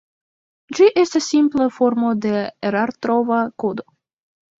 Ĝi estas simpla formo de erartrova kodo.